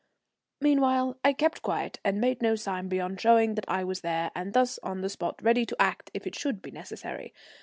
Meanwhile I kept quiet and made no sign beyond showing that I was there and on the spot ready to act if it should be necessary.